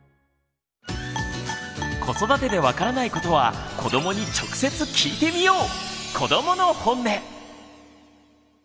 子育てで分からないことは子どもに直接聞いてみよう！